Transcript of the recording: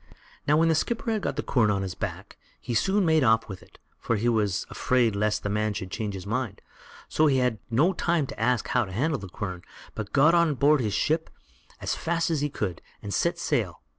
Now, when the skipper had got the quern on his back, he soon made off with it, for he was afraid lest the man should change his mind; so he had no time to ask how to handle the quern, but got on board his ship as fast as he could, and set sail.